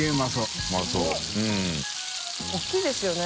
淵Εぅ大きいですよね。